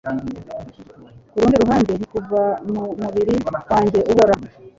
Kurundi ruhande niKuva mu mubiri wanjye ubora